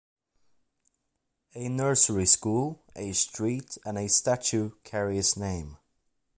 A nursery school, a street and a statue carry his name.